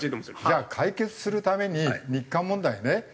じゃあ解決するために日韓問題ね。